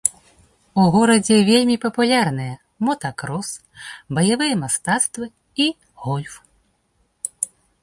У горадзе вельмі папулярныя мотакрос, баявыя мастацтвы і гольф.